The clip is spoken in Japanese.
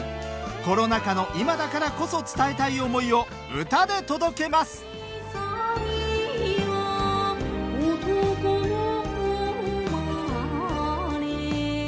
コロナ禍の今だからこそ伝えたい思いを歌で届けます「男の誉れ」